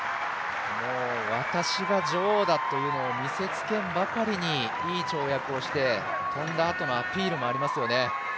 もう私が女王だというのを見せつけんばかりにいい跳躍をして、跳んだあとのアピールもありますね。